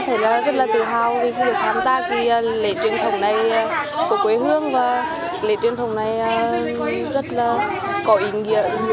em rất là tự hào vì khi được tham gia kia lễ truyền thống này của quê hương và lễ truyền thống này rất là có ý nghĩa